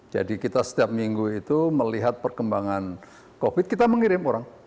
jadi kita setiap minggu itu melihat perkembangan covid kita mengirim orang